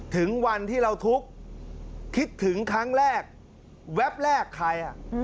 ถึงวันที่เราทุกข์คิดถึงครั้งแรกแวบแรกใคร